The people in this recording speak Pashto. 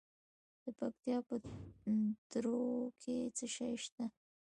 د پکتیکا په تروو کې څه شی شته؟